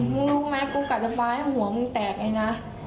มึงรู้ไหมกูกัดระบายให้หัวมึงแตกเองนะ